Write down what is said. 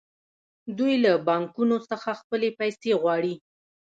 دوی له بانکونو څخه خپلې پیسې غواړي